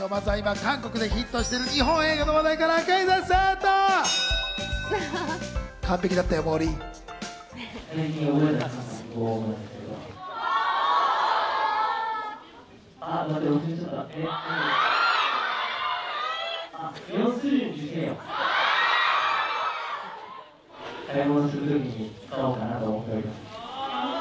まずは今、韓国でヒットしている日本映画の話題からクイズッスっと！